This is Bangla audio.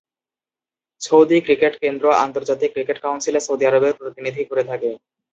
সৌদি ক্রিকেট কেন্দ্র আন্তর্জাতিক ক্রিকেট কাউন্সিলে সৌদি আরবের প্রতিনিধি করে থাকে।